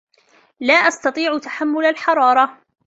لا أستطيع تحمل الحرارة.